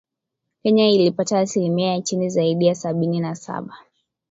Kenya ilipata asilimia ya chini zaidi ya Sabini na saba